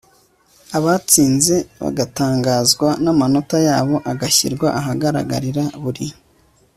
abatsinze bagatangazwa n'amanota yabo agashyirwa ahagaragarira buri